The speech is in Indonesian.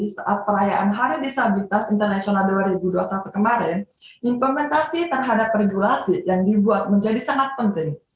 saat perayaan hari disabilitas internasional dua ribu dua puluh satu kemarin implementasi terhadap regulasi yang dibuat menjadi sangat penting